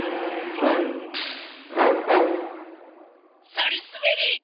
そりすべり。